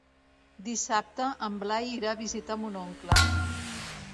Dissabte en Blai irà a visitar mon oncle.